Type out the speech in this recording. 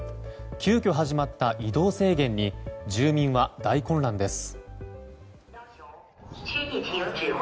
急きょ始まった移動制限に住民は大混乱です。